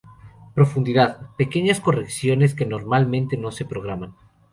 Profundidad: pequeñas correcciones que normalmente no se programan.